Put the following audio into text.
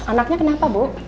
soal anaknya kenapa bu